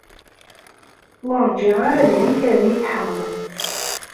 Ur rjiɣ ara deg-k ad iyi-tḥemmleḍ.